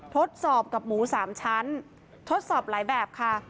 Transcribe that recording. ทดสอบกับหมู๓ชั้นทดสอบหลายแบบค่ะ